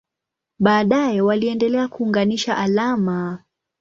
Baadaye waliendelea kuunganisha alama.